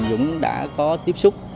dũng đã có tiếp xúc